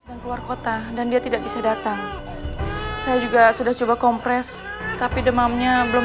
keluar kota dan dia tidak bisa datang saya juga sudah coba kompres tapi demamnya belum